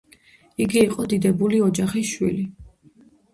იგი იყო დიდებული ოჯახის შვილი.